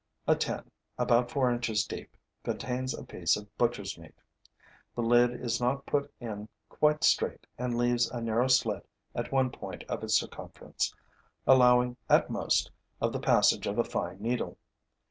A tin, about four inches deep, contains a piece of butcher's meat. The lid is not put in quite straight and leaves a narrow slit at one point of its circumference, allowing, at most, of the passage of a fine needle.